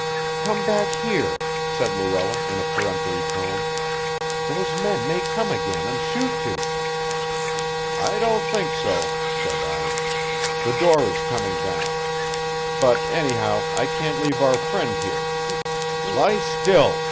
"Come back here," said Luella in a peremptory tone. "Those men may come again and shoot you." "I don't think so," said I. "The door is coming down. But, anyhow, I can't leave our friend here. Lie still!"